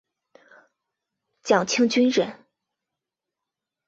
蒋庆均人。